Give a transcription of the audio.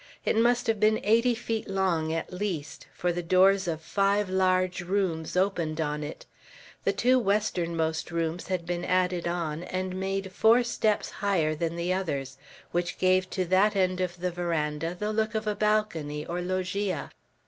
It must have been eighty feet long, at least, for the doors of five large rooms opened on it. The two westernmost rooms had been added on, and made four steps higher than the others; which gave to that end of the veranda the look of a balcony, or loggia.